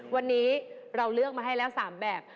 วันนี้เราเลือกมาให้แล้ว๓แบบ